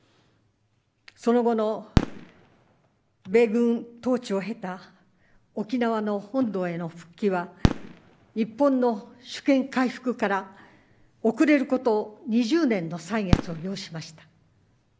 その後の米軍統治を経た沖縄の本土への復帰は日本の主権回復から遅れること２０年の歳月を要しました。